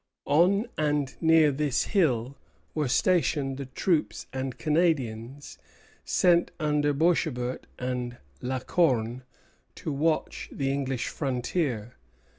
On and near this hill were stationed the troops and Canadians sent under Boishébert and La Corne to watch the English frontier.